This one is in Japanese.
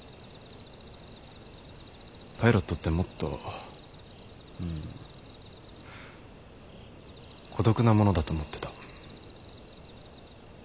パイロットってもっと孤独なものだと思ってた。